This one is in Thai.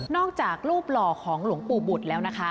จากรูปหล่อของหลวงปู่บุตรแล้วนะคะ